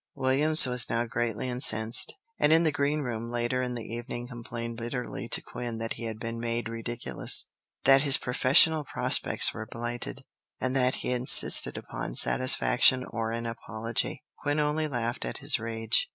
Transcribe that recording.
"[316:1] Williams was now greatly incensed, and in the Green Room later in the evening complained bitterly to Quin that he had been made ridiculous, that his professional prospects were blighted, and that he insisted upon satisfaction or an apology. Quin only laughed at his rage.